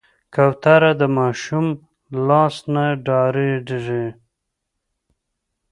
کوتره د ماشوم لاس نه ډارېږي.